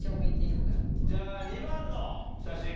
じゃあ２番の写真。